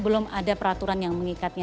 belum ada peraturan yang mengikatnya